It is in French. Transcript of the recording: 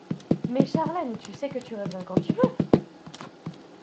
Mais Charlène, tu sais que tu reviens quand tu veux!